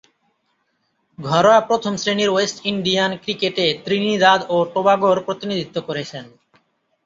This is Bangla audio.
ঘরোয়া প্রথম-শ্রেণীর ওয়েস্ট ইন্ডিয়ান ক্রিকেটে ত্রিনিদাদ ও টোবাগোর প্রতিনিধিত্ব করেছেন।